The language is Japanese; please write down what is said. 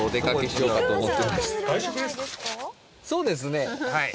そうですねはい。